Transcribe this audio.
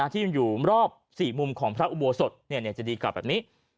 ที่อยู่รอบ๔มุมของพระอุโบสถจะดีกลับแบบนี้